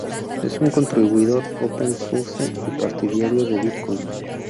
Es un contribuidor open-source y partidario de Bitcoin.